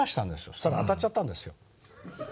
そしたら当たっちゃったんですよ。